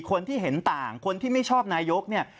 คนที่เห็นต่างคนที่ไม่ชอบนายกเนี่ย